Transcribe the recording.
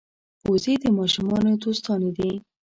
وزې د ماشومانو دوستانې دي